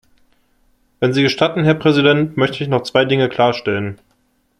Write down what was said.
Wenn Sie gestatten, Herr Präsident, möchte ich noch zwei Dinge klarstellen.